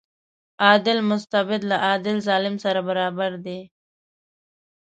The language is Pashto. عادل مستبد له عادل ظالم سره برابر دی.